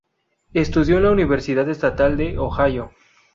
Estudió en la Universidad Estatal de Ohio.